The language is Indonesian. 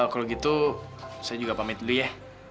kalau gitu saya juga pamit dulu ya